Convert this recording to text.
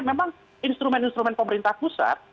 memang instrumen instrumen pemerintah pusat